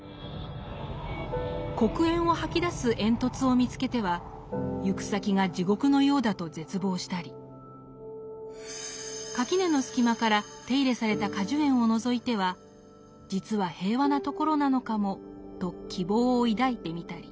黒煙を吐き出す煙突を見つけては行く先が地獄のようだと絶望したり垣根の隙間から手入れされた果樹園をのぞいては「実は平和な所なのかも」と希望を抱いてみたり。